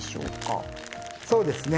そうですね。